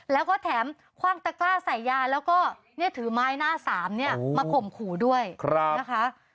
แล้วก็แถมคว่างตะกร้าใส่ยาแล้วก็ถือไม้หน้าสามเนี่ยมาข่มขู่ด้วยนะคะ